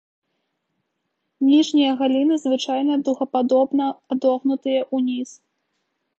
Ніжнія галіны звычайна дугападобна адагнутыя ўніз.